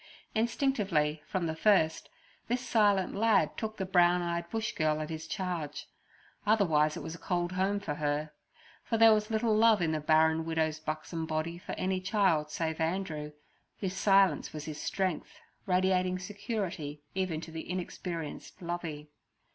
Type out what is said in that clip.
Instinctively from the first this silent lad took the brown eyed Bush girl in his charge; otherwise it was a cold home for her. For there was little love in the barren widow's buxom body for any child save Andrew, whose silence was his strength, radiating security even to the inexperienced Lovey.